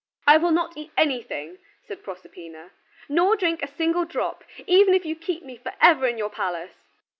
"I will not eat anything," said Proserpina, "nor drink a single drop, even if you keep me for ever in your palace."